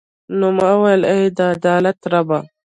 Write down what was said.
نو ما ویل ای د عدالت ربه.